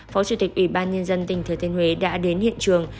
phó chủ tịch ủy ban nhân dân tỉnh thừa thiên huế đã đến hiện trường